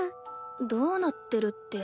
どうなってるって。